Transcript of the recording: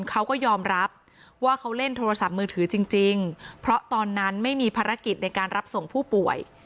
เขาก็ยอมรับว่าเขาเล่นโทรศัพท์มือถือจริงเพราะตอนนั้นไม่มีภารกิจในการรับส่งผู้ป่วย